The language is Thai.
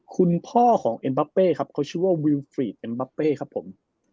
คุณพ่อของเอ็นบับเป้ครับเขาชื่อว่าวิวฟรีดเอ็มบับเป้ครับผม